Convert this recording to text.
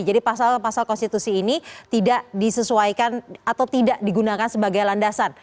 jadi pasal pasal konstitusi ini tidak disesuaikan atau tidak digunakan sebagai landasan